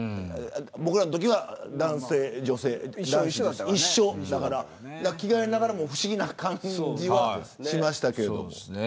僕らのときは男性、女性一緒だから着替えながらも不思議な感じはしましたけど。